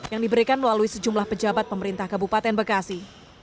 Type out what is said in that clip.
yang diberikan melalui sejumlah pejabat pemerintah kabupaten bekasi